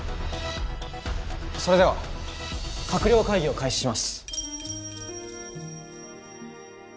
それでは閣僚会議を開始します。